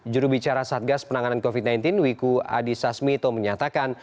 jurubicara satgas penanganan covid sembilan belas wiku adhisa smito menyatakan